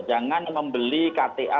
jangan membeli kta